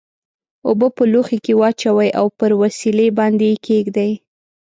اوبه په لوښي کې واچوئ او پر وسیلې باندې یې کیږدئ.